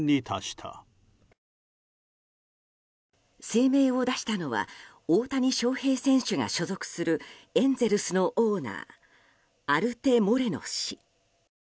声明を出したのは大谷翔平選手が所属するエンゼルスのオーナーアルテ・モレノ氏。